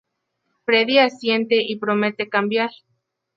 Freddie asiente y promete cambiar.